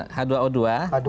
kita tambahkan h dua o dua